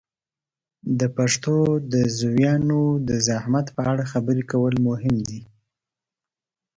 د پښتو د زویانو د زحمت په اړه خبرې کول مهم دي.